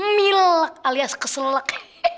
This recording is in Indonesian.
milak milak alias keselak